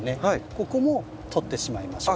ここも取ってしまいましょう。